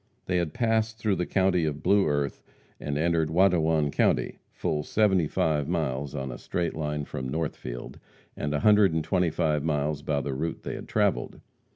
They had passed through the county of Blue Earth, and entered Watonwan county, full seventy five miles on a straight line from Northfield, and a hundred and twenty five miles by the route they had travelled.